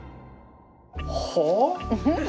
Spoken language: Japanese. はあ？